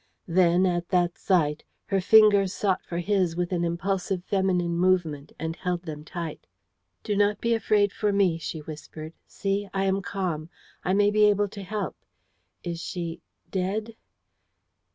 Then, at that sight, her fingers sought for his with an impulsive feminine movement, and held them tight. "Do not be afraid for me," she whispered. "See! I am calm I may be able to help. Is she dead?"